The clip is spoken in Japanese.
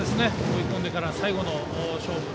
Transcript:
追い込んでから最後の勝負。